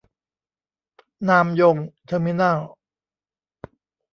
นามยง เทอร์มินัล